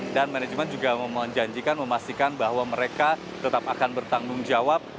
dan manajemen juga menjanjikan memastikan bahwa mereka tetap akan bertanggung jawab